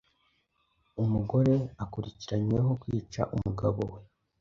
Umugore akurikiranyweho kwica umugabo we